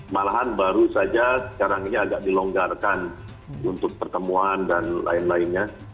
malahan baru saja sekarang ini agak dilonggarkan untuk pertemuan dan lain lainnya